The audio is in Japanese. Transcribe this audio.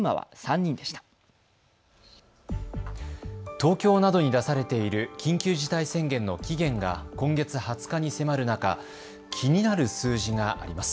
東京などに出されている緊急事態宣言の期限が今月２０日に迫る中、気になる数字があります。